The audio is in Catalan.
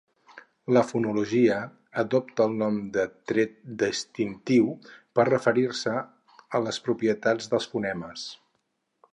La fonologia adopta el nom de tret distintiu per referir-se a les propietats dels fonemes.